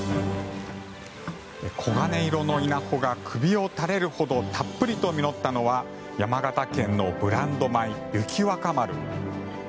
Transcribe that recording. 黄金色の稲穂が首を垂れるほどたっぷりと実ったのは山形県のブランド米、雪若丸。